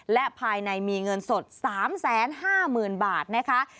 และภายในมีเงินสด๓๕๐๐๐บาทนะคะ